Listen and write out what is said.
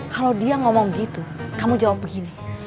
kalau dia ngomong gitu kamu jawab begini